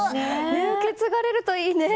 受け継がれるといいね！